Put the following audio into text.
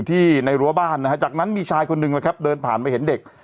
ในรั้วบ้านนะฮะจากนั้นมีชายคนหนึ่งนะครับเดินผ่านไปเห็นเด็ก